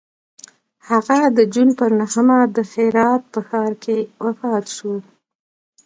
هغه د جون پر نهمه د هرات په ښار کې وفات شو.